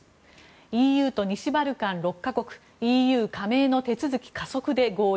ＥＵと西バルカン６か国ＥＵ加盟の手続き加速で合意。